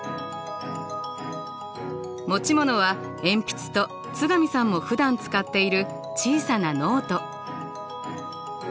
持ち物は鉛筆と津上さんもふだん使っている小さなノート。